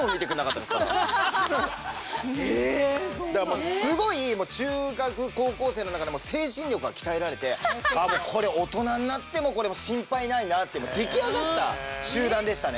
だからもうすごい中学高校生の中でもう精神力が鍛えられてああもうこれ大人になってもこれもう心配ないなあって出来上がった集団でしたね。